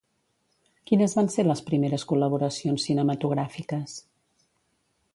Quines van ser les primeres col·laboracions cinematogràfiques?